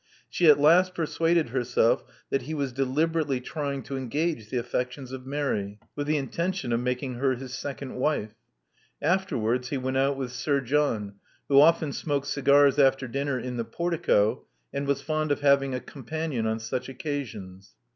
She at last persuaded herself that he was deliberately trying to engage the affections of Mary, with the intention of Love Among the Artists 301 making her his second wife. Afterwards, he went out with Sir John, who often smoked cigars after dinner in the portico, and was fond of having a companion on such occasions.